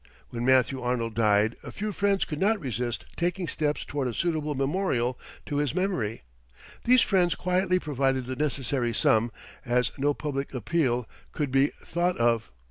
When Matthew Arnold died a few friends could not resist taking steps toward a suitable memorial to his memory. These friends quietly provided the necessary sum, as no public appeal could be thought of.